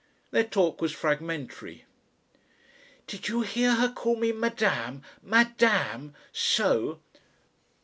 Their talk was fragmentary. "Did you hear her call me Madame? Mádáme so!"